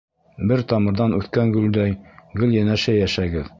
Бер тамырҙан үҫкән гөлдәй Гел йәнәшә йәшәгеҙ.